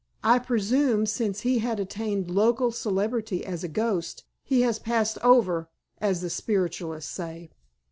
"I presume, since he had attained local celebrity as a ghost, he has passed over, as the spiritists say."